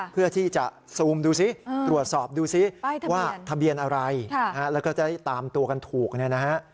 เพื่อที่จะซูมดูซิตรวจสอบดูซิว่าทะเบียนอะไรแล้วก็จะได้ตามตัวกันถูกเนี่ยนะฮะ